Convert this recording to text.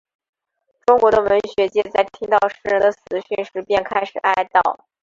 中国的文学界在听到诗人的死讯时便开始哀悼。